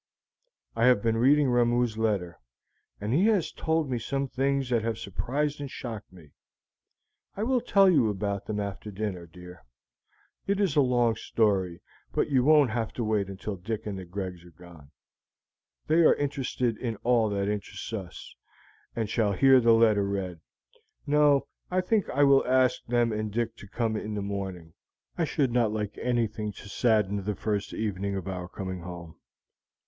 "I have been reading Ramoo's letter, and he has told me some things that have surprised and shocked me. I will tell you about them after dinner, dear. It is a long story, but you won't have to wait until Dick and the Gregs are gone. They are interested in all that interests us, and shall hear the letter read. No; I think I will ask them and Dick to come in the morning. I should not like anything to sadden the first evening of our coming home."